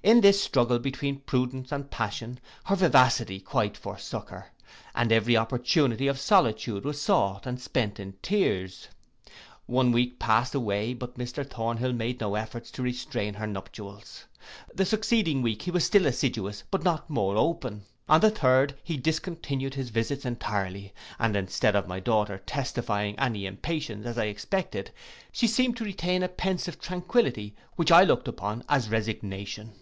In this struggle between prudence and passion, her vivacity quite forsook her, and every opportunity of solitude was sought, and spent in tears. One week passed away; but Mr Thornhill made no efforts to restrain her nuptials. The succeeding week he was still assiduous; but not more open. On the third he discontinued his visits entirely, and instead of my daughter testifying any impatience, as I expected, she seemed to retain a pensive tranquillity, which I looked upon as resignation.